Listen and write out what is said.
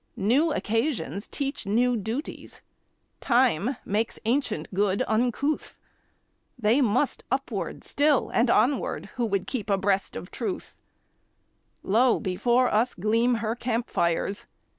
New occasions teach new duties; Time makes ancient good uncouth; They must upward still, and onward, who would keep abreast of Truth; Lo, before us gleam her camp fires!